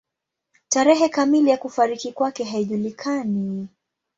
Tarehe kamili ya kufariki kwake haijulikani.